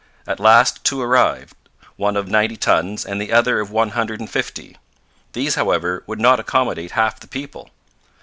At last two arrived, one of ninety tons, and the other of one hundred and fifty: these, however, would not accommodate half the people.